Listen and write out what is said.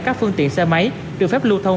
các phương tiện xe máy được phép lưu thông